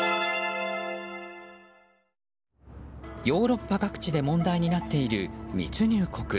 ヨーロッパ各地で問題になっている密入国。